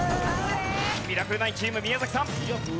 ミラクル９チーム宮崎さん。